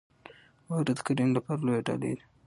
واوره د کرنې لپاره لویه ډالۍ ده.